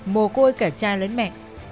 mồ côi cả cha lớn mẹ